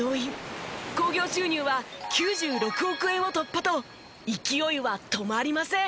興行収入は９６億円を突破と勢いは止まりません。